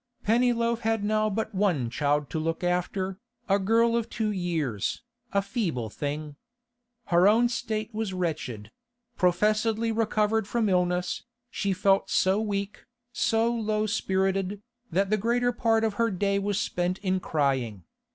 Pennyloaf had now but one child to look after, a girl of two years, a feeble thing. Her own state was wretched; professedly recovered from illness, she felt so weak, so low spirited, that the greater part of her day was spent in crying.